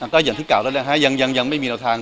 ก็อย่างที่กล่าวแล้วนะฮะยังไม่มีแนวทาง